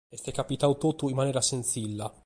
Est capitadu totu in manera sentzilla.